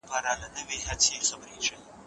سفیر د خپل هیواد ږغ پورته کوي.